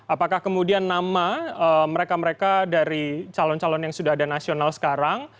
apakah kemudian nama mereka mereka dari calon calon yang sudah ada nasional sekarang